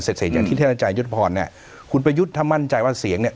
เสร็จเสร็จจากทิศพลังจัยยุทธภรณ์เนี้ยคุณประยุทธถ้ามั่นใจว่าเสียงเนี้ย